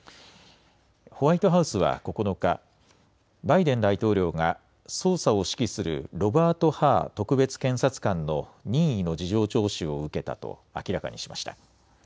ホワイトハウスは９日、バイデン大統領が捜査を指揮するロバート・ハー特別検察官の任意の事情聴取を受けたと明らかにしました。